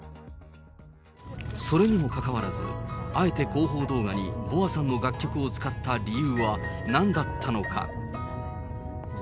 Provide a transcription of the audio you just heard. それにもかかわらず、あえて広報動画にＢｏＡさんの楽曲を使った理由はなんだったのか。